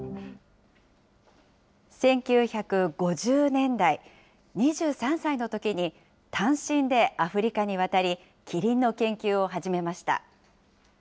１９５０年代、２３歳のときに単身でアフリカに渡り、キリンの研究を始めました。